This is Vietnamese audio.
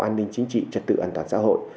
an ninh chính trị trật tự an toàn xã hội